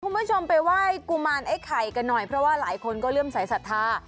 คุณผู้ชมไปไหว้กุมารไอ้ไข่กันหน่อยเพราะว่าหลายคนก็เริ่มสายศรัทธา